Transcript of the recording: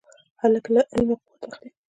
هلک له علمه قوت اخلي.